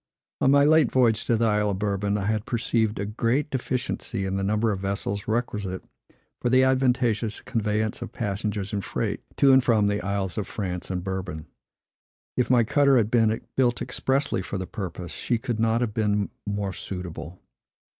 On my late voyage to the Isle of Bourbon, I had perceived a great deficiency in the number of vessels requisite for the advantageous conveyance of passengers and freight to and from the Isles of France and Bourbon. If my cutter had been built expressly for the purpose, she could not have been more suitable.